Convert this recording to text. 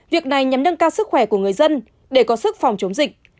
việc này nhắm nâng cao sức khỏe của người dân để có sức phòng chống dịch